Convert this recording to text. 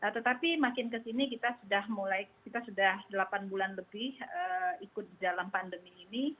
tetapi makin ke sini kita sudah delapan bulan lebih ikut dalam pandemi ini